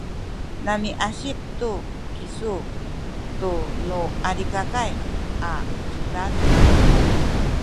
namiasip tu kisu tunu Alikakay a cudad haw?